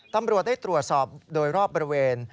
ตำรวจได้ตรวจสอบโดยรอบบริเวณ